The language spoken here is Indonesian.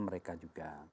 pertanyaan mereka juga